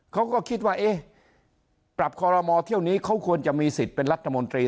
เขาก็คิดว่าเอ๊ะปรับคอรมอเที่ยวนี้เขาควรจะมีสิทธิ์เป็นรัฐมนตรี